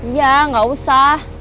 iya gak usah